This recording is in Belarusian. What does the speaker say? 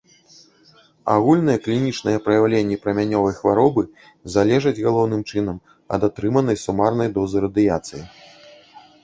Агульныя клінічныя праяўленні прамянёвай хваробы залежаць галоўным чынам ад атрыманай сумарнай дозы радыяцыі.